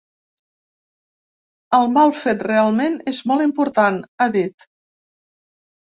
“El mal fet realment és molt important”, ha dit.